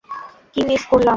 কী miss করলাম?